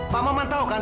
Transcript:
pak maman tau kan